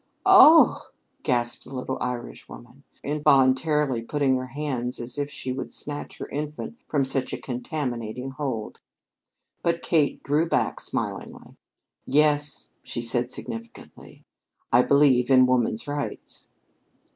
"Oh!" gasped the little Irishwoman, involuntarily putting out her hands as if she would snatch her infant from such a contaminating hold. But Kate drew back smilingly. "Yes," she said significantly, "I believe in woman's rights."